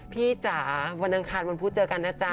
จ๋าวันอังคารวันพุธเจอกันนะจ๊ะ